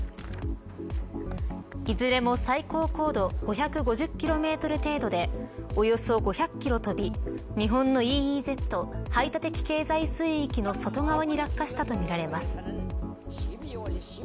いずれも最高高度５５０キロメートル程度でおよそ５００キロ飛び日本のＥＥＺ排他的経済水域の外側に落下したとみられます。